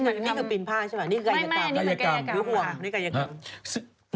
นี่คือปีนผ้าใช่ไหมนี่กายกรรมหรือห่วงนี่กายกรรม